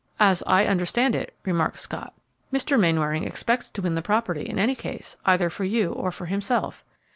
"As I understand it," remarked Scott, "Mr. Mainwaring expects to win the property in any case, either for you or for himself."